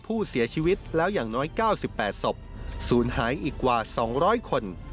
ผู้เสียชีวิตแล้วอย่างน้อย๙๘ศพศูนย์หายอีกกว่า๒๐๐คน